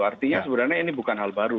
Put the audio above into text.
artinya sebenarnya ini bukan hal baru